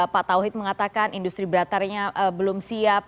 pak tauhid mengatakan industri beratarinya belum siap